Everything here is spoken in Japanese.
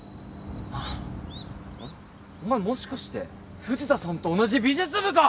あっお前もしかして藤田さんと同じ美術部か！？